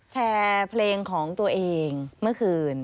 แชร์เพลงของตัวเองเมื่อคืน